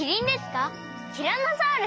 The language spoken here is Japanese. ティラノサウルスですか？